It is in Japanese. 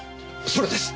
それです！